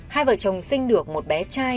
hai vợ chồng sinh được một bé trai